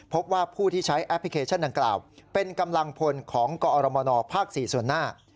พบว่าผู้ที่ใช้แอปพลิเคชันดังกล่าวเป็นกำลังพลของกอรมนภ๔ส่วนหน้า